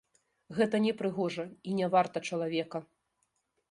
Гэта непрыгожа і не варта чалавека.